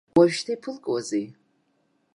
Уажәшьҭа иԥылкуазеи!